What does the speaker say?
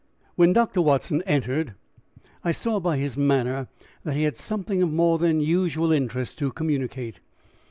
When Dr. Watson entered I saw by his manner that he had something of more than usual interest to communicate.